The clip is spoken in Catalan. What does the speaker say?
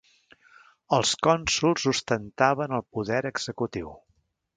Els cònsols ostentaven el poder executiu.